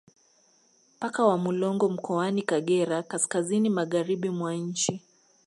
Mpaka wa Mulongo mkoani Kagera kaskazini magharibi mwa nchi